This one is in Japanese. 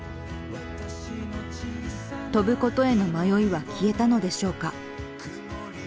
飛ぶことへの迷いは消えたのでしょうか？